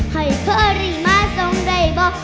ให้เธอรีบมาส่งได้บ่